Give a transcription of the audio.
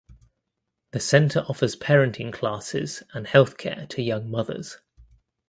The centre offers parenting classes and health care to young mothers.